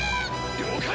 了解！